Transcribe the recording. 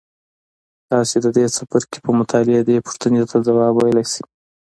تاسې د دې څپرکي په مطالعې دې پوښتنو ته ځواب ویلای شئ.